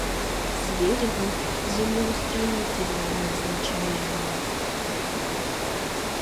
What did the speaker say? Зверевым землеустроительлан назначаен улыт...